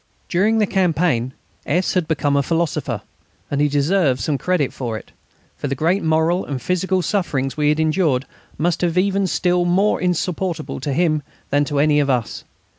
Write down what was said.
During the campaign S. had become a philosopher, and he deserved some credit for it; for the great moral and physical sufferings we had endured must have been even still more insupportable to him than to any of us.